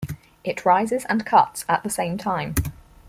It rises and cuts at the same time.